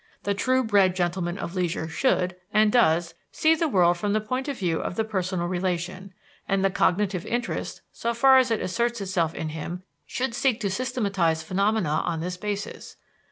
The true bred gentleman of leisure should, and does, see the world from the point of view of the personal relation; and the cognitive interest, so far as it asserts itself in him, should seek to systematize phenomena on this basis.